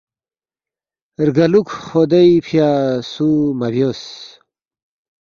رگالوکھ خدے فیا سو مَہ بیوس